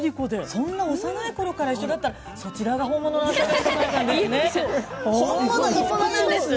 そんな幼いころから一緒だったらそちらが本物ですよ。